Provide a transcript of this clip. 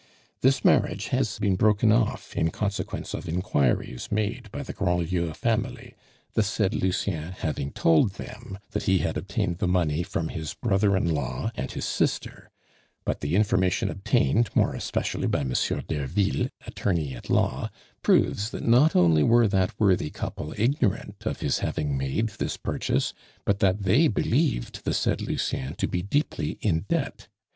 This marriage has been broken off in consequence of inquiries made by the Grandlieu family, the said Lucien having told them that he had obtained the money from his brother in law and his sister; but the information obtained, more especially by Monsieur Derville, attorney at law, proves that not only were that worthy couple ignorant of his having made this purchase, but that they believed the said Lucien to be deeply in debt.